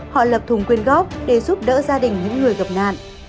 họ lập thùng quyên góp để giúp đỡ gia đình những người gặp nạn